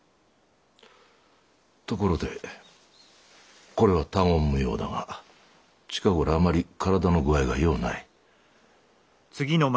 ところでこれは他言無用だが近頃あまり体の具合がようない。